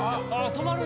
止まる。